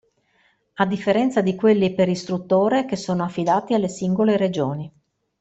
A differenza di quelli per istruttore che sono affidati alle singole regioni.